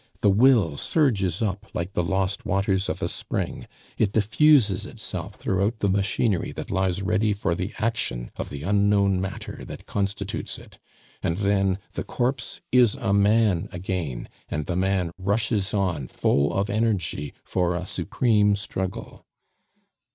The will surges up like the lost waters of a spring; it diffuses itself throughout the machinery that lies ready for the action of the unknown matter that constitutes it; and then the corpse is a man again, and the man rushes on full of energy for a supreme struggle.